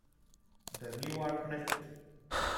Then you are connected.